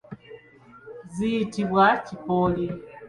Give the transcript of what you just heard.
Ziyitibwa kipooli.